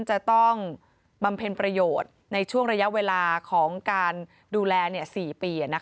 จะต้องบำเพ็ญประโยชน์ในช่วงระยะเวลาของการดูแล๔ปี